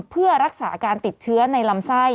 เพื่อรักษาการติดเชื้อในลำไส้